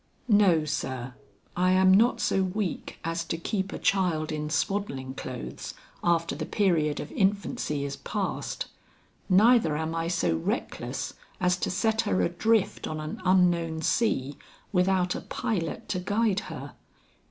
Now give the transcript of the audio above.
"No, sir; I am not so weak as to keep a child in swaddling clothes after the period of infancy is past, neither am I so reckless as to set her adrift on an unknown sea without a pilot to guide her.